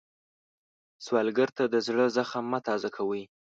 سوالګر ته د زړه زخم مه تازه کوئ